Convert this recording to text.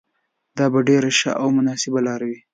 دا به ډېره ښه او مناسبه لاره وي.